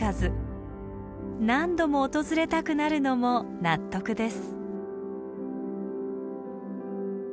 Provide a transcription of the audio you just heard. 何度も訪れたくなるのも納得です。